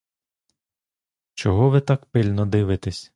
Чого ви так пильно дивитесь?